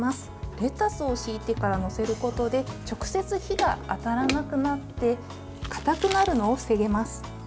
レタスを敷いてから載せることで直接、火が当たらなくなって硬くなるのを防げます。